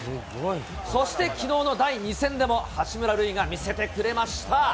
そしてきのうの第２戦でも、八村塁が見せてくれました。